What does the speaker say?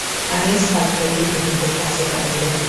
আনিস হাত বাড়িয়ে দিনুকে কাছে টানল।